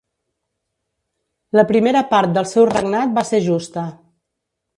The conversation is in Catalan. La primera part del seu regnat va ser justa.